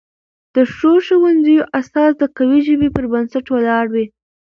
د ښو ښوونځیو اساس د قوي ژبې پر بنسټ ولاړ وي.